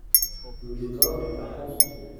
Le décor est à pans coupés.